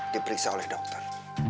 diperiksa oleh dokter